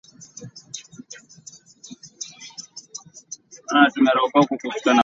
Soon after her return to France she decided to start a film company.